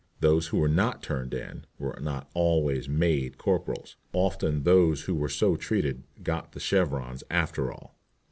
Those who were not "turned in" were not always "made" corporals. Often those who were so treated "got the chevrons" after all.